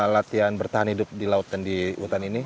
latihan bertahan hidup di laut dan di hutan ini